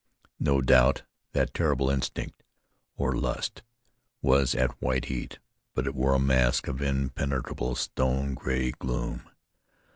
No doubt that terrible instinct, or lust, was at white heat; but it wore a mask of impenetrable stone gray gloom.